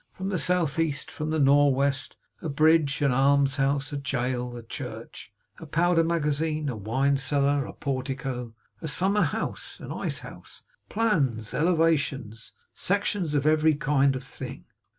From the south east. From the nor'west. A bridge. An almshouse. A jail. A church. A powder magazine. A wine cellar. A portico. A summer house. An ice house. Plans, elevations, sections, every kind of thing.